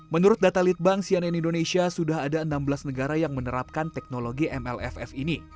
menurut data litbang cnn indonesia sudah ada enam belas negara yang menerapkan teknologi mlff ini